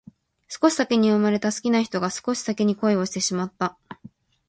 少し先に生まれた好きな人が少し先に恋をしてしまった